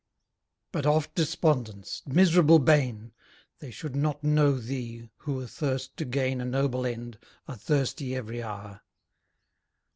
But oft' Despondence! miserable bane! They should not know thee, who athirst to gain A noble end, are thirsty every hour.